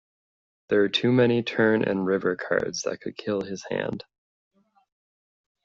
There are too many turn and river cards that could kill his hand.